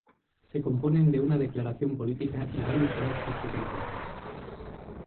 Se componen de una declaración política y varios anexos secretos.